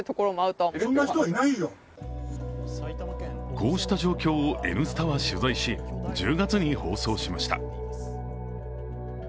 こうした状況を「Ｎスタ」は取材し１０月に放送しました。